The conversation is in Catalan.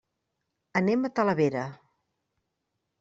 Anem a Talavera.